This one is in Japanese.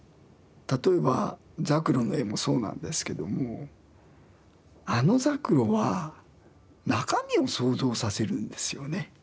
例えば柘榴の絵もそうなんですけどもあの柘榴は中身を想像させるんですよね。